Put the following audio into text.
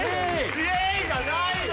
「イェイ」じゃないの！